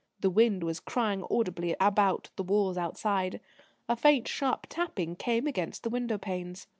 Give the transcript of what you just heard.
The wind was crying audibly about the walls outside. A faint, sharp tapping came against the window panes.